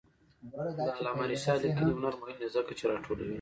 د علامه رشاد لیکنی هنر مهم دی ځکه چې راټولوي.